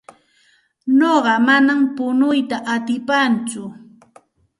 Nuqa manam punuyta atipaatsu.